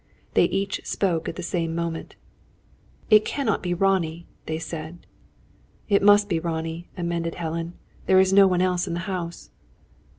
They each spoke at the same moment. "It cannot be Ronnie," they said. "It must be Ronnie," amended Helen. "There is no one else in the house."